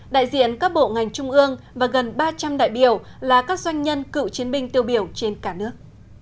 đại diện các bộ ngành trung ương và gần ba trăm linh đại biểu là các doanh nhân cựu chiến binh tiêu biểu trên cả nước